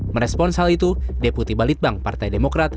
merespons hal itu deputi balitbang partai demokrat